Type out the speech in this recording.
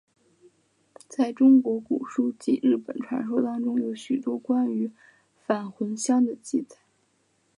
在中国古书及日本传说当中有许多关于返魂香的记载。